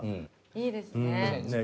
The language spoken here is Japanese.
いいですね。